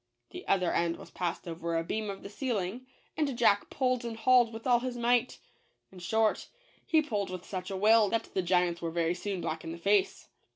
The other end was passed over a beam of the ceiling, and Jack pulled and hauled with all his might; in short, he pulled with such a will that the giants were very soon black in the face.